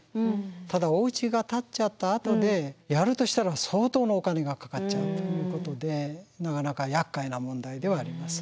ただおうちが建っちゃったあとでやるとしたら相当のお金がかかっちゃうということでなかなかやっかいな問題ではあります。